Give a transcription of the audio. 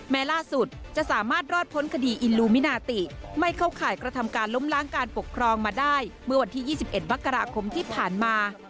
แม้ล่าสุดจะสามารถรอดพ้นคดีอินลูมินาติไม่เข้าข่ายกระทำการล้มล้างการปกครองมาได้เมื่อวันที่๒๑มกราคมที่ผ่านมา